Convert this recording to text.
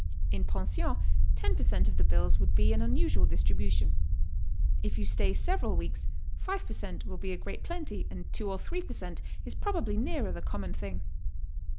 In pensions, ten per cent, of the bills would be an un usual distribution. If you stay several weeks, five per cent, will be a great plenty, and two or three per cent, is probably nearer the common thing.